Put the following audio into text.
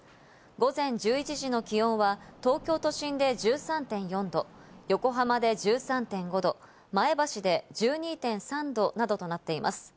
午前１１時の気温は東京都心で１３．４度、横浜で１３．５度、前橋で１２．３度などとなっています。